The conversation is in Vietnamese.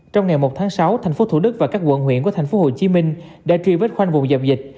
trong ngày một tháng sáu tp thủ đức và các quận huyện của tp hcm đã truy vết khoanh vùng dập dịch